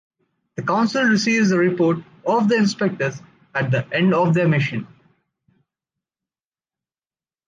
The council receives the report of the inspectors at the end of their mission.